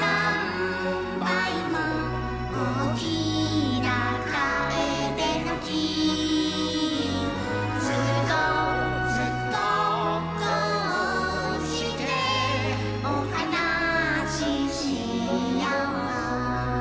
「おおきなカエデの木」「ずっとずっとこうしておはなししよう」